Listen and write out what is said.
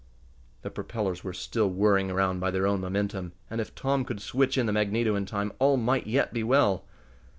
The propellers were still whirring around by their own momentum, and if Tom could switch in the magneto in time all might yet be well.